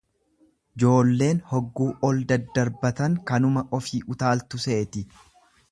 Joolleen hogguu ol daddarban kanuma ofii utaaltu seeti.